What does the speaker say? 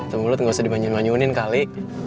tunggu tunggu gak usah dibanyun banyunin kali